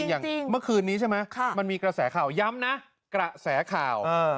อย่างเมื่อคืนนี้ใช่ไหมมันมีกระแสข่าวย้ำนะกระแสข่าว